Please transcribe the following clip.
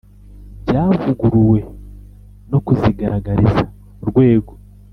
byavuguruwe no kuzigaragariza Urwego